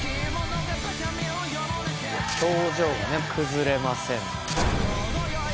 表情がね崩れません。